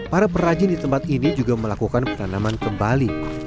para perajin di tempat ini juga melakukan penanaman kembali